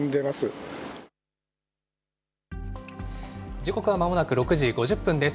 時刻はまもなく６時５０分です。